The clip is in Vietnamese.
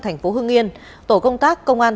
thành phố hưng yên tổ công tác công an